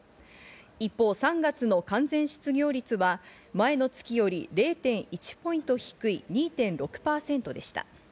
一方、３月の完全失業率は前の月より０．１ポイント低い２．６％でした。